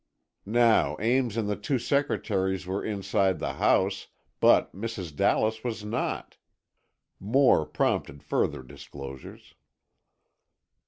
"Now Ames and the two secretaries were inside the house, but Mrs. Dallas was not," Moore prompted further disclosures.